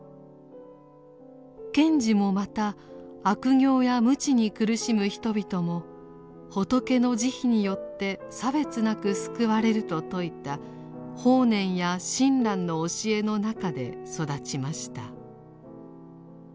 賢治もまた悪行や無知に苦しむ人々も仏の慈悲によって差別なく救われると説いた法然や親鸞の教えの中で育ちました。